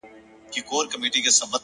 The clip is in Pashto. علم د انسان قدر لوړوي,